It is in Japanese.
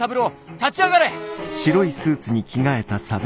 立ち上がれ！」。